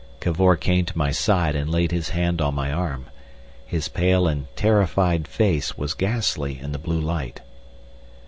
Cavor came to my side and laid his hand on my arm. His pale and terrified face was ghastly in the blue light.